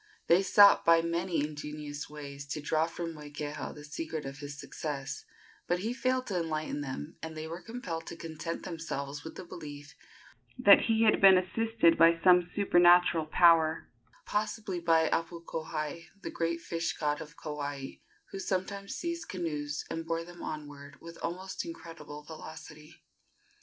They sought by many ingenious ways to draw from Moikeha the secret of his success; but he failed to enlighten them, and they were compelled to content themselves with the belief that he had been assisted by some supernatural power, possibly by Apukohai, the great fish god of Kauai, who sometimes seized canoes and bore them onward with almost incredible velocity.